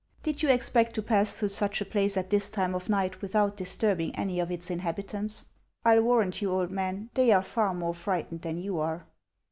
Did you expect to pass through such a place at this time of night without dis turbing any of its inhabitants ? I '11 warrant you, old man, they are far more frightened than you are."